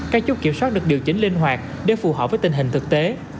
các chốt kiểm soát được điều chỉnh linh hoạt để phù hợp với tình hình thực tế